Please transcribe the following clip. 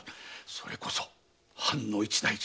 それこそ藩の一大事！